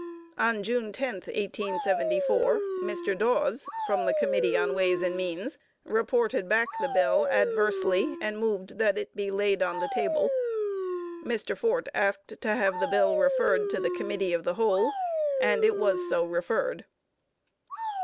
On June 10, 1874, Mr. Dawes, from the Committee on Ways and Means, reported back the bill adversely, and moved that it be laid on the table. Mr. Fort asked to have the bill referred to the Committee of the Whole, and it was so referred.